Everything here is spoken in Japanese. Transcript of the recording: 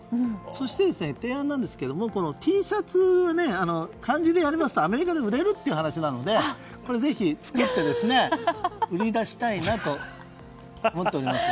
そして、提案ですがＴシャツを漢字でやりますとアメリカで売れるという話なのでぜひ作って売り出したいなと思っております。